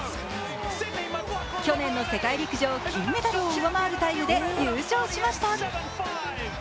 去年の世界陸上金メダルを上回るタイムで優勝しました。